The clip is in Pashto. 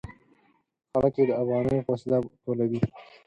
خلک یې د افغانیو په وسیله ټولوي.